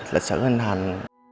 lịch sử hình thành